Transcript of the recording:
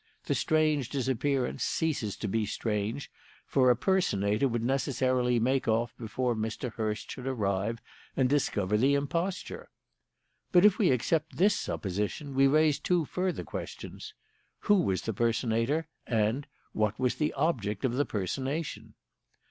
The strange disappearance ceases to be strange, for a personator would necessarily make off before Mr. Hurst should arrive and discover the imposture. But if we accept this supposition, we raise two further questions: 'Who was the personator?' and 'What was the object of the personation?'